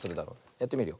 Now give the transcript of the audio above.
やってみるよ。